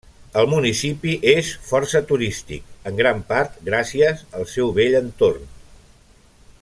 El municipi és força turístic, en gran part gràcies al seu bell entorn.